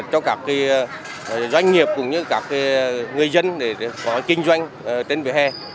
cho các doanh nghiệp cũng như các người dân để có kinh doanh trên vỉa hè